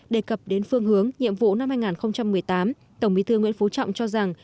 đề cập đến phương hướng nhiệm vụ năm hai nghìn một mươi tám tổng bí thư nguyễn phú trọng cho rằng